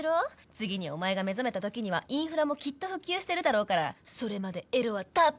次にお前が目覚めた時にはインフラもきっと復旧してるだろうからそれまでエロはたっぷりためときなって。